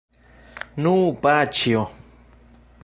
Nu, paĉjo!